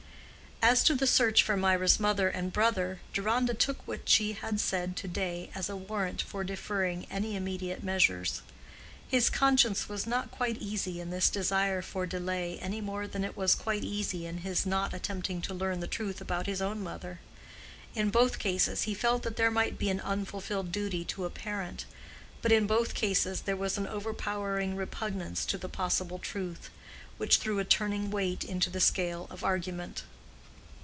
As to the search for Mirah's mother and brother, Deronda took what she had said to day as a warrant for deferring any immediate measures. His conscience was not quite easy in this desire for delay, any more than it was quite easy in his not attempting to learn the truth about his own mother: in both cases he felt that there might be an unfulfilled duty to a parent, but in both cases there was an overpowering repugnance to the possible truth, which threw a turning weight into the scale of argument.